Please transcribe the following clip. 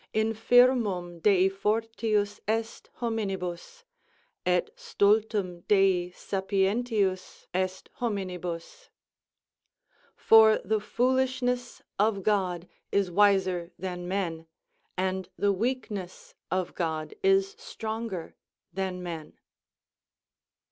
Infirmum dei fortius est hominibs; et stultum dei sapientius est hominibus. "For the foolishness of God is wiser than men, and the weakness of God is stronger than men."